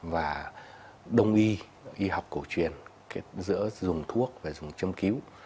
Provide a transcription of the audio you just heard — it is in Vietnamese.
và đồng y y học cổ truyền giữa dùng thuốc và dùng châm cứu